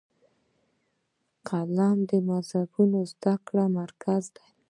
قم د مذهبي زده کړو مرکز دی.